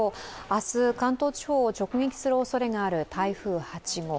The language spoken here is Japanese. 明日、関東地方を直撃するおそれがある台風８号。